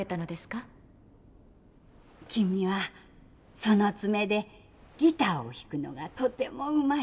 「君はその爪でギターを弾くのがとてもうまい。